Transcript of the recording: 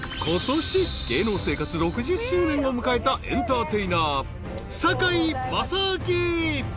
［ことし芸能生活６０周年を迎えたエンターテイナー堺正章］